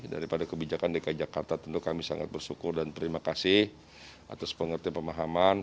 daripada kebijakan dki jakarta tentu kami sangat bersyukur dan terima kasih atas pengertian pemahaman